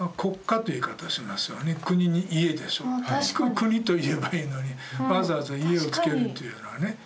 国と言えばいいのにわざわざ家をつけるというのはね